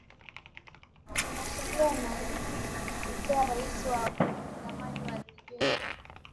mwanasheria anayemtetea rais wa zamani wa liberia